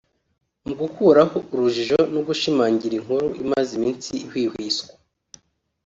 Mu gukuraho urujijo no gushimangira inkuru imaze iminsi ihwihwiswa